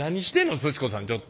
すち子さんちょっと。